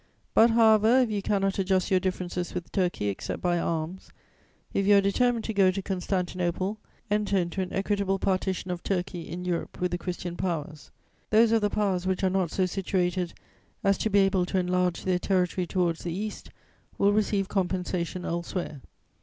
But, however, if you cannot adjust your differences with Turkey except by arms, if you are determined to go to Constantinople, enter into an equitable partition of Turkey in Europe with the Christian Powers. Those of the Powers which are not so situated as to be able to enlarge their territory towards the East will receive compensation elsewhere.